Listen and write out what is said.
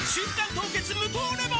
凍結無糖レモン」